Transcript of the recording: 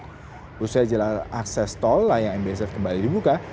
setelah jalan akses tol layang mbz kembali dibuka